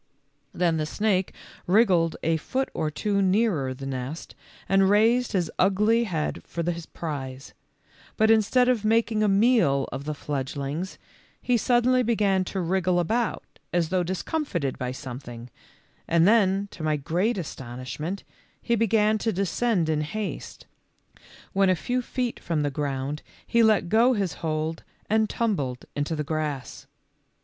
Then the snake wriggled a foot or two nearer the nest and raised his ugly head for his prize, but instead of making a meal of the fledgelings, he suddenly began to wriggle about as though discomfited by something, and then to my groat astonishment he began to descend in haste, when a few feet from the ground he let go his hold and tumbled into the grass.